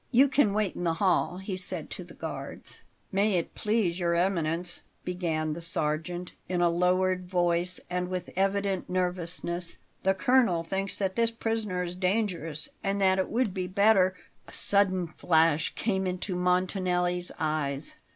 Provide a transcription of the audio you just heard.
"You can wait in the hall," he said to the guards. "May it please Your Eminence," began the sergeant, in a lowered voice and with evident nervousness, "the colonel thinks that this prisoner is dangerous and that it would be better " A sudden flash came into Montanelli's eyes.